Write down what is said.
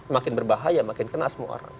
makin berbahaya makin kena semua orang